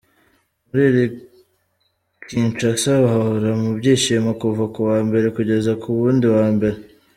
Muri Kinshasa bahora mu byishimo kuva ku wa Mbere kugeza ku wundi wa Mbere.